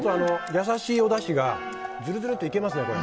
優しいおだしがじゅるじゅるっといけますね。